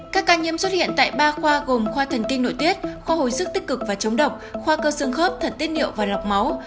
các ca nhiễm xuất hiện tại ba khoa gồm khoa thần kinh nội tiết khoa hồi sức tích cực và chống độc khoa cơ xương khớp thật tiết điệu và lọc máu